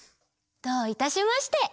どういたしまして！